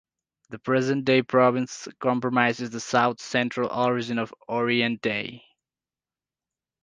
The present day province comprises the south-central region of Oriente.